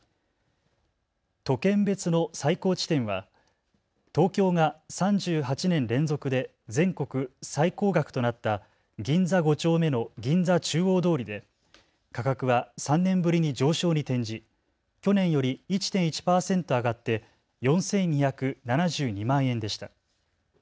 都県別の最高地点は東京が３８年連続で全国最高額となった銀座５丁目の銀座中央通りで価格は３年ぶりに上昇に転じ去年より１．１％上がって４２７２万円でした。